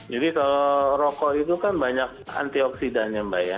jadi kalau rokok itu kan banyak antioksidannya mbak ya